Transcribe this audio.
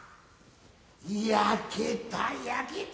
焼けた焼けた。